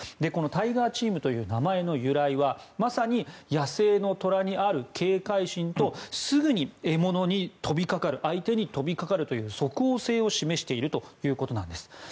このタイガーチームという名前の由来はまさに野生の虎にある警戒心とすぐに獲物に飛びかかる相手に飛びかかるという即応性を示しているということなんです。